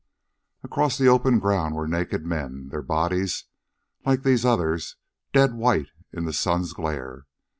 Across the open ground were naked men, their bodies, like these others, dead white in the sun's glare.